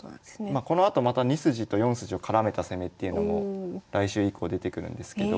まあこのあとまた２筋と４筋を絡めた攻めっていうのも来週以降出てくるんですけど。